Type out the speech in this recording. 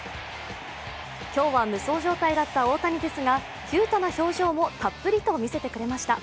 今日は無双状態だった大谷ですが、キュートな表情もたっぷりと見せてくれました。